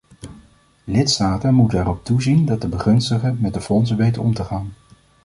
Lidstaten moeten erop toezien dat de begunstigden met de fondsen weten om te gaan.